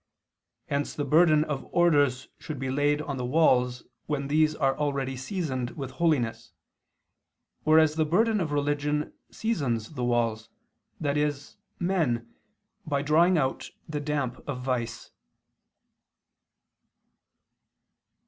Hence the burden of orders should be laid on the walls when these are already seasoned with holiness, whereas the burden of religion seasons the walls, i.e. men, by drawing out the damp of vice.